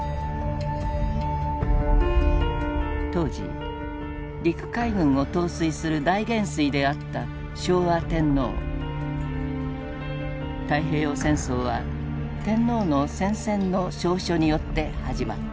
当時陸海軍を統帥する大元帥であった太平洋戦争は天皇の宣戦の詔書によって始まった。